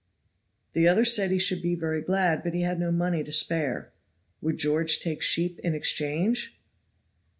The other said he should be very glad, but he had no money to spare. Would George take sheep in exchange?